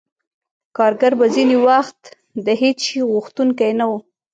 کارګر به ځینې وخت د هېڅ شي غوښتونکی نه وو